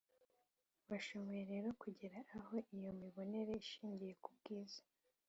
washoboye rero kugera aho, iyo mibonere ishingiye ku bwiza